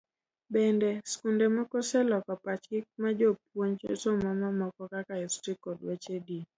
Bende, skunde moko oseloko pachgi ma gipuonjo somo mamoko kaka Histori kod weche din.